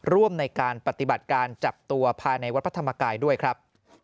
ร่วมในการปฏิบัติการจับตัวภายในวัดพระธรรมกายด้วยครับ